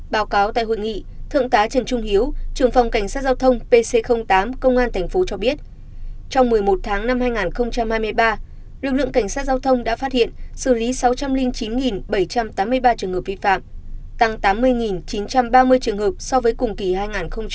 báo cáo tại hội nghị thượng tá trần trung hiếu trường phòng cảnh sát giao thông pc tám công an tp cho biết trong một mươi một tháng năm hai nghìn hai mươi ba lực lượng cảnh sát giao thông đã phát hiện xử lý sáu trăm linh chín bảy trăm tám mươi ba trường hợp vi phạm tăng tám mươi chín trăm ba mươi trường hợp so với cùng kỳ hai nghìn hai mươi hai